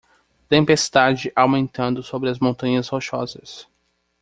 Tempestade aumentando sobre as Montanhas Rochosas.